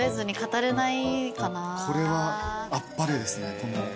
これはあっぱれですね。